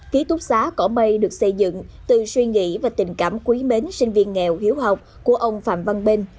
ký túc xá cỏ mây được xây dựng từ suy nghĩ và tình cảm quý mến sinh viên nghèo hiếu học của ông phạm văn bên